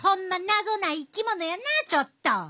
謎な生き物やなちょっと！